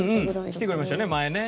来てくれましたね前ね。